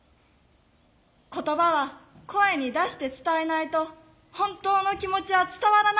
言葉は声に出して伝えないと本当の気持ちは伝わらないのです。